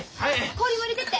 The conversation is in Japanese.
氷も入れてって！